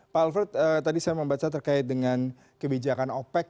pak alfred tadi saya membaca terkait dengan kebijakan opec